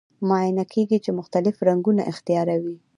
معاینه کیږي چې مختلف رنګونه اختیاروي.